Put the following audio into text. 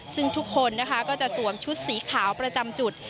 ซึ่งทุกคนนะคะก็จะสวมชุดสีขาวประจำจุด